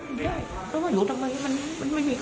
ใช่เพราะว่าอยู่ทำไมมันไม่มีค่า